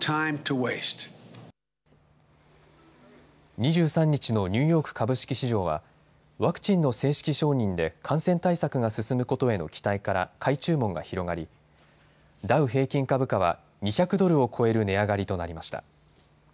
２３日のニューヨーク株式市場はワクチンの正式承認で感染対策が進むことへの期待から買い注文が広がりダウ平均株価は２００ドルを超える値上がりとなりました。